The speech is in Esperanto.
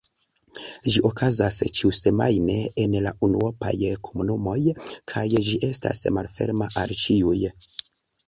Ĝi okazas ĉiusemajne en la unuopaj komunumoj kaj ĝi estas malferma al ĉiuj.